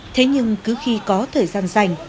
thế nhưng cứ khi có thời gian dành